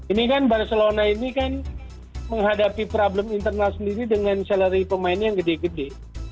ini kan barcelona ini kan menghadapi problem internal sendiri dengan salary pemainnya yang gede gede